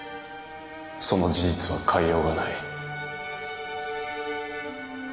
その事実は変えようがない。